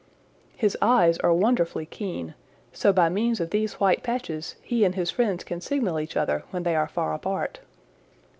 His eyes are wonderfully keen, so by means of these white patches he and his friends can signal each other when they are far apart.